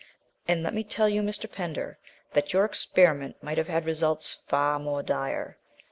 And, let me tell you, Mr. Pender, that your experiment might have had results far more dire.